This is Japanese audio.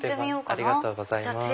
ありがとうございます。